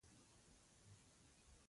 مېز د آرام ژوند یو اړین شی دی.